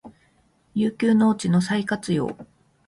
遊休農地の再活用